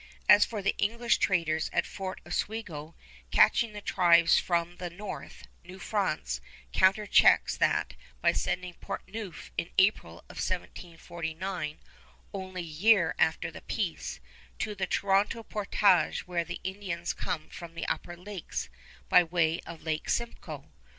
As for the English traders at Fort Oswego catching the tribes from the north, New France counterchecks that by sending Portneuf in April of 1749, only a year after the peace, to the Toronto portage where the Indians come from the Upper Lakes by way of Lake Simcoe.